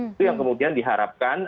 itu yang kemudian diharapkan